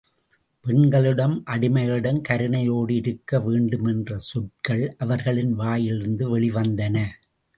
பெண்களிடம் அடிமைகளிடம் கருணையோடு இருக்க வேண்டும் என்ற சொற்கள் அவர்களின் வாயிலிருந்து வெளி வந்தன.